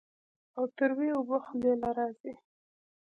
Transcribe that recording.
او تروې اوبۀ خلې له راځي